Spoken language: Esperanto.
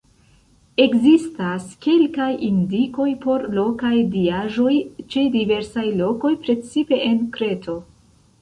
Ekzistas kelkaj indikoj por lokaj diaĵoj ĉe diversaj lokoj, precipe en Kreto.